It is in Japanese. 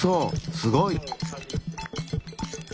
すごい！